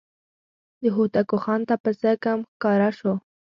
د هوتکو خان ته پسه کم ښکاره شو.